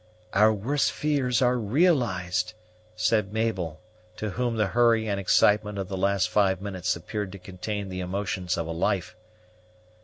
"Our worst fears are realized!" said Mabel, to whom the hurry and excitement of the last five minutes appeared to contain the emotions of a life.